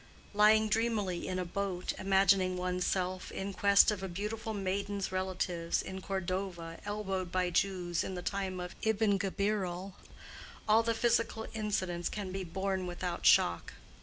Lying dreamily in a boat, imagining one's self in quest of a beautiful maiden's relatives in Cordova elbowed by Jews in the time of Ibn Gebirol, all the physical incidents can be borne without shock.